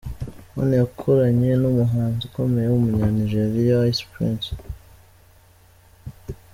One’ yakoranye n’umuhanzi ukomeye w’umunya Nigeria Ice Prince.